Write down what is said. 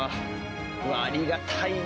ありがたいねえ。